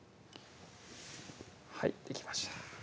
はいできました